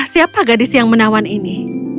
siapa gadis yang menawan ini